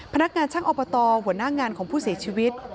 พนักงานช่างอบตหัวหน้างานของผู้เสียชีวิต